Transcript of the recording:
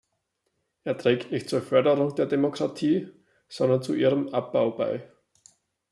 Er trägt nicht zur Förderung der Demokratie, sondern zu ihrem Abbau bei.